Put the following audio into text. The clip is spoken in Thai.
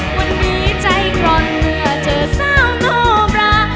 วันนี้ใจกร่อนเมื่อเจอสาวโนบรา